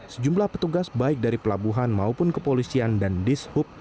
sejumlah petugas baik dari pelabuhan maupun kepolisian dan dishub